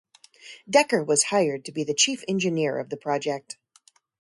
Decker was hired to be the chief engineer of the project.